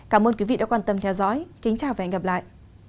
cảm ơn quý vị đã quan tâm theo dõi kính chào và hẹn gặp lại